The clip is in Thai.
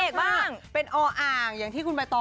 สวัสดีค่ะ